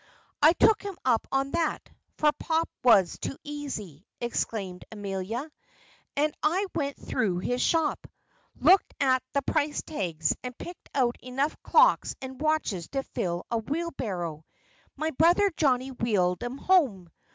"I took him up on that, for Pop was too easy," explained Amelia, "and I went through his shop, looked at the price tags, and picked out enough clocks and watches to fill a wheelbarrow. My brother Johnny wheeled 'em home.